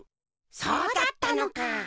そうだったのか！